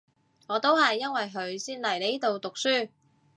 我都係因為佢先嚟呢度讀書